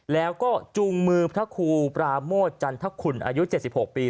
แล้วก็จุงมือพระครูประโมจันทะคุณอายุเจ็ดสิบหกปี